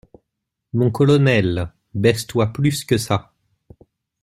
Mon colonel, baisse-toi plus que ça.